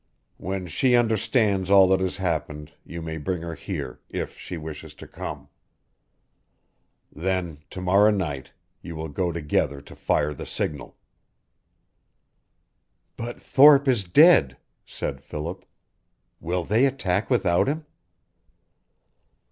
When she understands all that has happened you may bring her here, if she wishes to come. Then to morrow night you will go together to fire the signal." "But Thorpe is dead," said Philip. "Will they attack without him?"